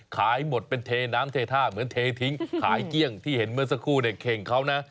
ขายหมดเป็นเทน้ำเทท่าเหมือนเททิ้งขายเกลี้ยงที่เห็นเมื่อสักครู่เนี่ยเข่งเขานะ